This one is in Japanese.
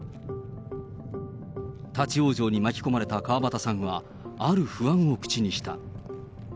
立往生に巻き込まれた河端さんは、ある不安を口にした。